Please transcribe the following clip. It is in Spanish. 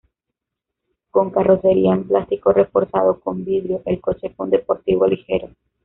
Con carrocería en plástico reforzado con vidrio, el coche fue un deportivo ligero.